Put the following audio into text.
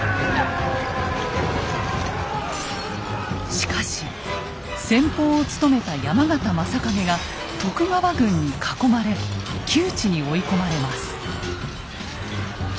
しかし先鋒を務めた山県昌景が徳川軍に囲まれ窮地に追い込まれます。